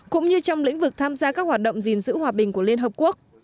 cũng như trong lĩnh vực tham gia các hoạt động gìn giữ hòa bình của liên hợp quốc